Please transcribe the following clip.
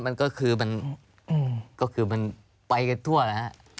มันก็คือมันไปกันทั่วนะครับ